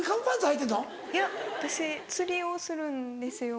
いや私釣りをするんですよ。